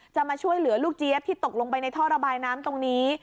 จะมาช่วยเหลือลูกเจี๊ยบที่ตกลงไปในท่อระบายน้ำตรงนี้